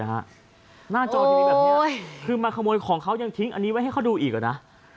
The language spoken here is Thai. หน้าจอทีวีแบบนี้แบบนี้คือมาขโมยของเขายังทิ้งอันนี้ไว้ให้เขาดูอีกนะ